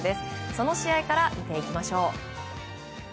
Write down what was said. その試合から見ていきましょう。